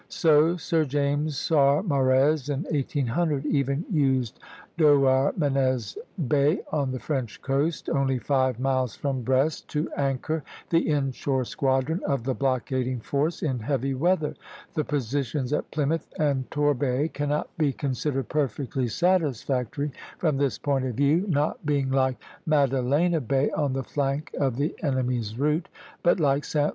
So Sir James Saumarez in 1800 even used Douarnenez Bay, on the French coast, only five miles from Brest, to anchor the in shore squadron of the blockading force in heavy weather. The positions at Plymouth and Torbay cannot be considered perfectly satisfactory from this point of view; not being, like Maddalena Bay, on the flank of the enemy's route, but like Sta.